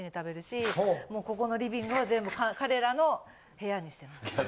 もうここのリビングは全部彼らの部屋にしてます。